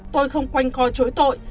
tôi không quanh co chối tội